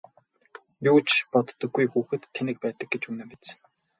Юу ч боддоггүй хүүхэд тэнэг байдаг гэж үнэн биз!